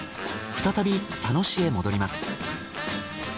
再び佐野市へ戻ります。